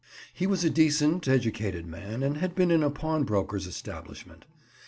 He was a decent, educated man, and had been in a pawnbroker's establishment.